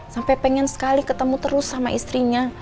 sampai pengen sekali ketemu terus sama istrinya